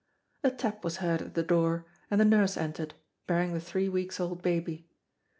A tap was heard at the door, and the nurse entered, bearing the three weeks' old baby.